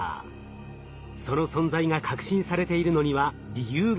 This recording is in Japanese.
その存在が確信されているのには理由があります。